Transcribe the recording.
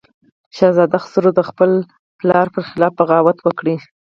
شهزاده خسرو د خپل پلار پر خلاف بغاوت وکړ.